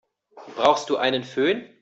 Brauchst du einen Fön?